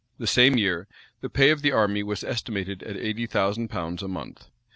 [*] The same year, the pay of the army was estimated at eighty thousand pounds a month.